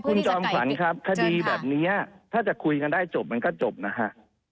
คุณจอมขวัญครับคดีแบบนี้ถ้าจะคุยกันได้จบมันก็จบนะฮะ